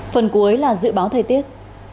phần cuối là dự báo thời tiết